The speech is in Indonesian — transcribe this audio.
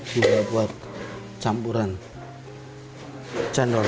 biar buat campuran channel